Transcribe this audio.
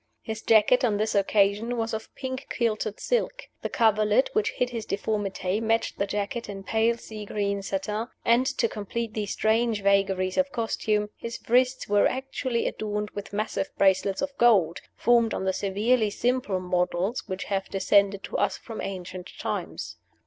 His jacket, on this occasion, was of pink quilted silk. The coverlet which hid his deformity matched the jacket in pale sea green satin; and, to complete these strange vagaries of costume, his wrists were actually adorned with massive bracelets of gold, formed on the severely simple models which have descended to us from ancient times.